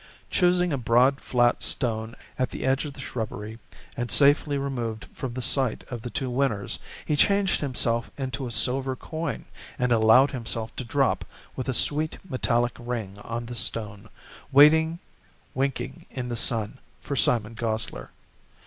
Choosing a broad flat stone at the edge of the shrubbery and safely removed from the sight of the two winners, he changed himself into a silver coin and allowed himself to drop with a sweet metallic ring on the stone, waiting winking in the sun for Simon Gosler.